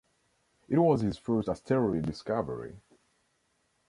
It was his first asteroid discovery.